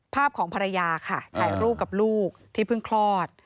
ภาพของภรรยาค่ะถ่ายรูปกับลูกที่เพิ่งคลอด